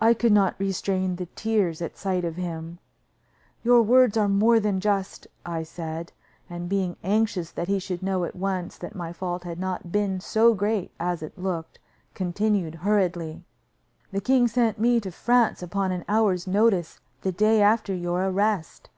I could not restrain the tears at sight of him. "Your words are more than just," I said; and, being anxious that he should know at once that my fault had not been so great as it looked, continued hurriedly: "The king sent me to France upon an hour's notice, the day after your arrest.